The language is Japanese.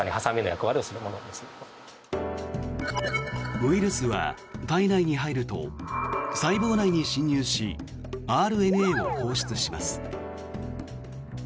ウイルスは体内に入ると細胞内に侵入しＲＮＡを放出します。